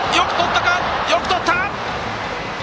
よくとった！